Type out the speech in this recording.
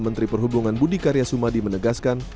menteri perhubungan budi karya sumadi menegaskan